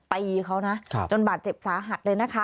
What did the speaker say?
ตีเขานะจนบาดเจ็บสาหัสเลยนะคะ